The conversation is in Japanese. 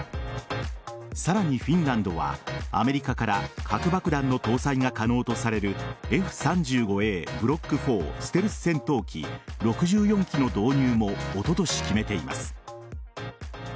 さらにフィンランドはアメリカから核爆弾の搭載が可能とされるＦ‐３５Ａブロック４ステルス戦闘機６４機の導入もおととし決めています。